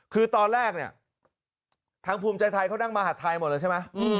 คือตอนแรกเนี่ยทางภูมิใจไทยเขานั่งมหาดไทยหมดเลยใช่ไหม